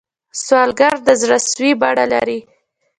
سوالګر د زړه سوې بڼه لري